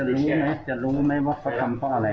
เราจะรู้ไหมว่าเขาทำเพราะอะไร